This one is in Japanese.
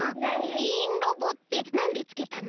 いいんロボってなんでつけたの？